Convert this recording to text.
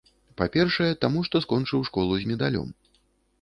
Па-першае, таму, што скончыў школу з медалём.